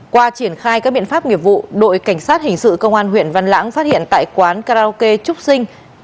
qua triển khai các biện pháp nghiệp vụ đội cảnh sát hình sự công an huyện văn lãng phát hiện tại quán karaoke trúc sinh